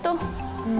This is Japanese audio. うん。